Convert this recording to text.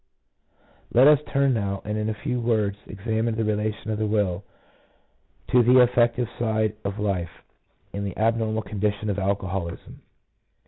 Let us turn now, and in a few words examine the relation of the will to the affective side of life in the abnormal condition of alcoholism.